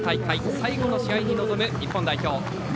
最後の試合に臨む日本代表。